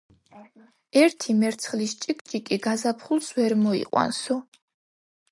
ერთი მერცხლის ჭიკჭიკი გაზაფხულს ვერ მოიყვანსო.